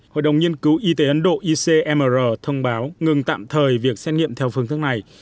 hội đồng nhiên cứu y tế ấn độ icmr thông báo ngừng tạm thời việc xét nghiệm theo phương thức này